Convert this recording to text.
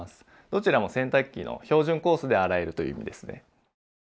どちらも洗濯機の標準コースで洗えるという意味ですね。